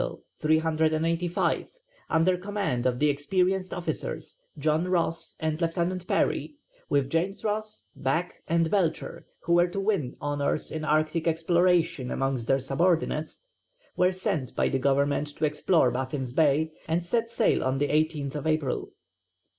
_] The Alexander, 252 tons, and the Isabel, 385, under command of the experienced officers, John Ross and Lieutenant Parry, with James Ross, Back, and Belcher, who were to win honour in Arctic explorations amongst their subordinates, were sent by the Government to explore Baffin's Bay and set sail on the 18th April.